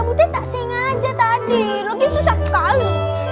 butir tak sengaja tadi lagi susah sekali